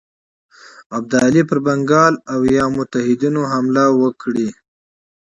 ابدالي پر بنګال او یا متحدینو حمله وکړي.